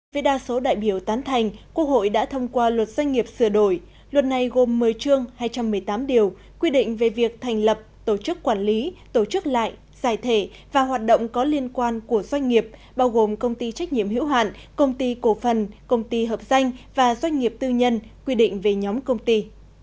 về đa số đại biểu tán thành quốc hội đã thông qua luật doanh nghiệp sửa đổi luật này gồm một mươi chương hai trăm một mươi tám điều quy định về việc thành lập tổ chức quản lý tổ chức lại giải thể và hoạt động có liên quan của doanh nghiệp bao gồm công ty trách nhiệm hữu hạn công ty cổ phần công ty hợp danh và doanh nghiệp tư nhân quy định về nhóm công ty